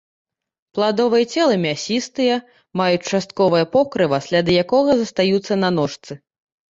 Пладовыя целы мясістыя, маюць частковае покрыва, сляды якога застаюцца на ножцы.